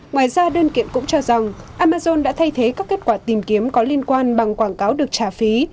ngoài ra đơn kiện cũng cho rằng amazon đã thay thế các kết quả tìm kiếm có liên quan bằng quảng cáo được trả phí